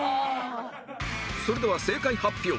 それでは正解発表